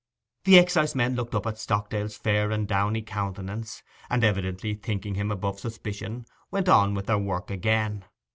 The excisemen looked up at Stockdale's fair and downy countenance, and evidently thinking him above suspicion, went on with their work again.